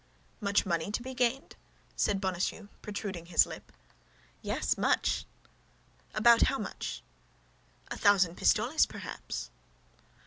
"Much money to be gained?" said Bonacieux, protruding his lip. "Yes, much." "About how much?" "A thousand pistoles, perhaps."